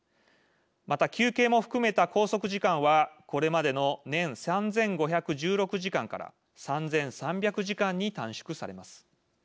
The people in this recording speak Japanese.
また休憩も含めた拘束時間はこれまでの年３，５１６時間から３，３００時間に短縮されます。